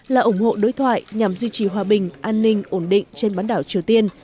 là ủng hộ đối thoại nhằm duy trì hòa bình an ninh ổn định trên bán đảo triều tiên